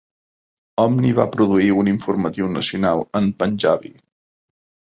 Omni va produir un informatiu nacional en panjabi.